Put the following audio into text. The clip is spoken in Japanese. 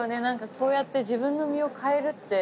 こうして自分の身を変えるって。